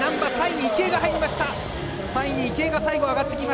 ３位に池江が入りました。